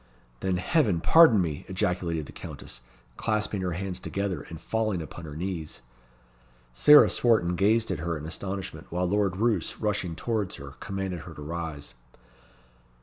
"Then Heaven pardon me!" ejaculated the Countess, clasping her hands together, and falling upon her knees. Sarah Swarton gazed at her in astonishment; while Lord Roos, rushing towards her, commanded her to rise.